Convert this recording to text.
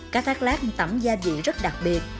cá thác lát tẩm gia vị rất đặc biệt